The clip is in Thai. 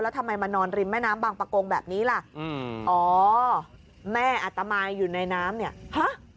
ทำไมมานอนริมแม่น้ำบางประกงแบบนี้ล่ะอืมอ๋อแม่อัตมาอยู่ในน้ำเนี่ยฮะ